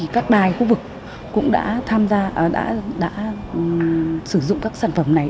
các bài khu vực cũng đã sử dụng các sản phẩm này